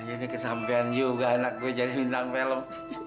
ini kesampean juga anak gue jadi bintang film